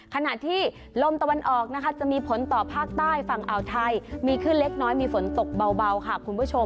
ขณะที่ลมตะวันออกนะคะจะมีผลต่อภาคใต้ฝั่งอ่าวไทยมีขึ้นเล็กน้อยมีฝนตกเบาค่ะคุณผู้ชม